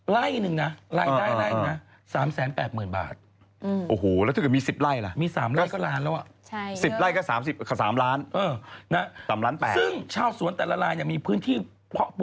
ไล่หนึ่งนะไล่ตายไล่หนึ่งนะ๓๘๐๐๐๐บาท